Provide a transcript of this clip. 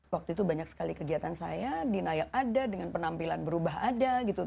waktu itu banyak sekali kegiatan saya denial ada dengan penampilan berubah ada gitu